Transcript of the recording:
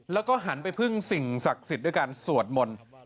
แล้วก็หันไปพึ่งสิ่งศักดิ์สิทธิ์ด้วยการสวดมนต์